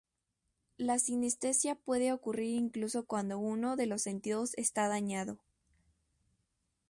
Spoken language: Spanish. La sinestesia puede ocurrir incluso cuando uno de los sentidos está dañado.